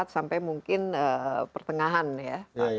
sampai mungkin pertengahan ya